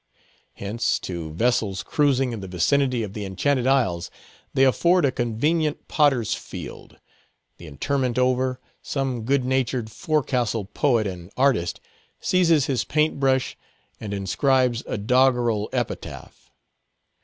Hence, to vessels cruising in the vicinity of the Enchanted Isles, they afford a convenient Potter's Field. The interment over, some good natured forecastle poet and artist seizes his paint brush, and inscribes a doggerel epitaph.